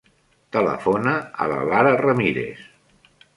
Telefona a la Lara Ramirez.